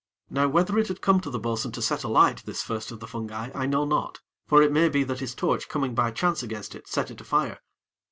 Now whether it had come to the bo'sun to set alight this first of the fungi, I know not; for it may be that his torch coming by chance against it, set it afire.